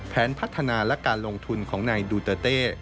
พัฒนาและการลงทุนของนายดูเตอร์เต้